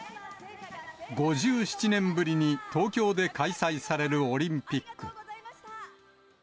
５７年ぶりに東京で開催されるオリンピック。